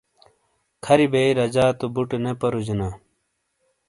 کھَری بئیی رجا تو بُٹے نے پرُوجینا۔